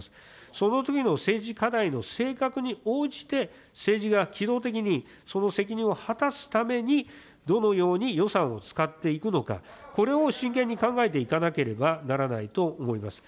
そのときの政治課題の性格に応じて、政治が機動的にその責任を果たすためにどのように予算を使っていくのか、これを真剣に考えていかなければならないと思います。